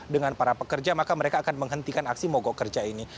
dengan para pekerja maka mereka akan menghentikan aksi mogok kerja ini